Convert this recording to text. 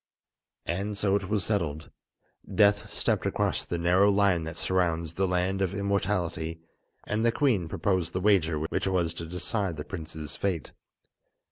And so it was settled. Death stepped across the narrow line that surrounds the Land of Immortality, and the queen proposed the wager which was to decide the prince's fate.